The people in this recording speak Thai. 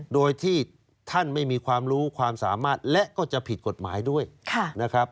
โดยที่ท่านไม่มีความรู้ความสามารถและก็จะผิดกฎหมายด้วยนะครับ